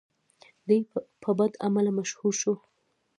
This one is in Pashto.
دی په بدعمله مشهور شو.